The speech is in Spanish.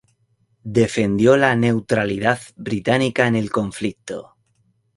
Defendió la neutralidad británica en el conflicto.